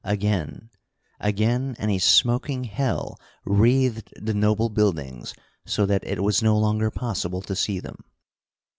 Again again, and a smoking hell wreathed the noble buildings so that it was no longer possible to see them.